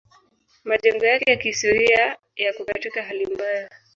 Majengo yake ya kihistoria yako katika hali mbaya.